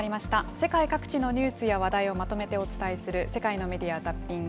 世界各地のニュースや話題をまとめてお伝えする世界のメディア・ザッピング。